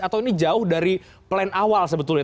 atau ini jauh dari plan awal sebetulnya